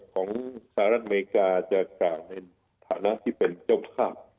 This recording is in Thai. สหรัฐอเมริกาจะกล่าวในฐานะที่เป็นเจ้าภาพ